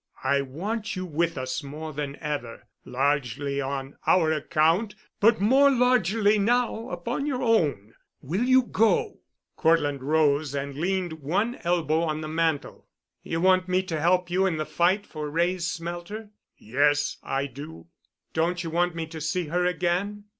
I want you with us more than ever—largely on our account, but more largely now upon your own. Will you go?" Cortland rose and leaned one elbow on the mantel. "You want me to help you in the fight for Wray's smelter?" "Yes, I do." "Don't you want me to see her again?"